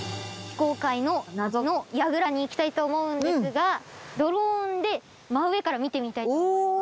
非公開の謎の櫓に行きたいと思うんですがドローンで真上から見てみたいと思います。